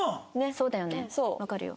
そうだよねわかるよ。